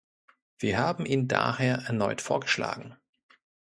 Wir haben ihn daher erneut vorgeschlagen.